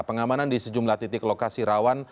pengamanan di sejumlah titik lokasi rawan